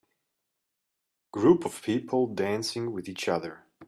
Group of people dancing with each other.